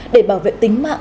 để bảo vệ tính mạng